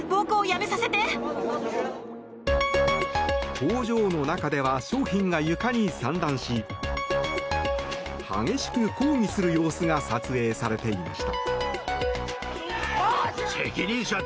工場の中では商品が床に散乱し激しく抗議する様子が撮影されていました。